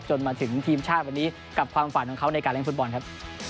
มาถึงทีมชาติวันนี้กับความฝันของเขาในการเล่นฟุตบอลครับ